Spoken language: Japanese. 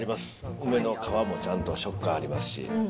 梅の皮もちゃんと食感ありますし。